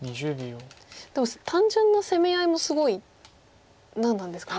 でも単純な攻め合いもすごい何なんですかね。